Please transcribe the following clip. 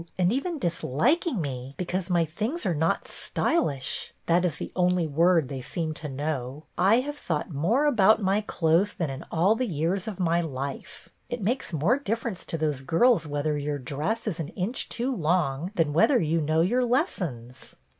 and even disliking me because my things are A ROOMMATE 83 not stylish (that is the only word they seem to know), I have thought more about my clothes than in all the years of my life. It makes more difference to those girls whether your dress is an inch too long than whether you know your lessons."